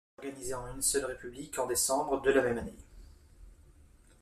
Elle est réorganisée en une seule république en décembre de la même année.